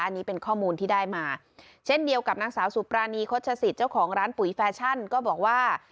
อันนี้เป็นข้อมูลที่ได้มาเช่นเดียวกับนางสาวสุปรานีโฆษศิษย์เจ้าของร้านปุ๋ยแฟชั่นก็บอกว่า